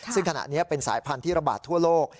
ซึ่งขณะนี้เป็นสายพันธุ์ที่ระบาดทั่วโลก